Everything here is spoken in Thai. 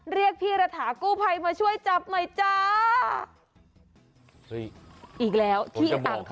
เรียกพี่ระถากู้ภัยมาช่วยจับหน่อยจ้า